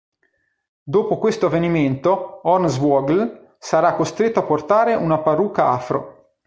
Dopo questo avvenimento Hornswoggle sarà costretto a portare una parrucca afro.